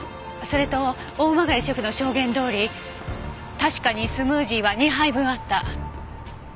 それと大曲シェフの証言どおり確かにスムージーは２杯分あった。